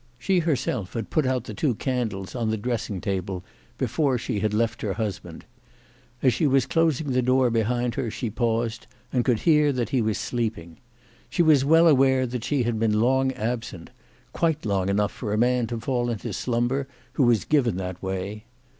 She herself had put out the two candles on the dressing table before she had left her husband. As she was closing the door behind her she paused, and could hear that he was sleeping. She was Well aware that she had been long absent, quite long enough for a man to fall into slumber who was given that way.